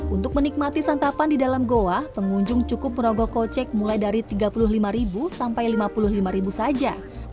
untuk menikmati santapan di dalam goa pengunjung cukup merogoh kocek mulai dari rp tiga puluh lima sampai rp lima puluh lima saja